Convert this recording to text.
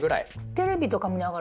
テレビとか見ながら。